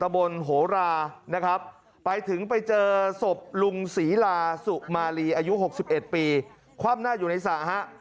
มารีอายุ๖๑ปีความหน้าอยู่ในสระฮะ